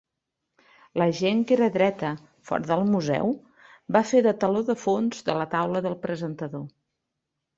La gent que era dreta fora del museu va fer de teló de fons de la taula del presentador.